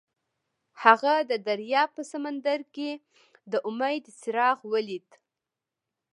هغه د دریاب په سمندر کې د امید څراغ ولید.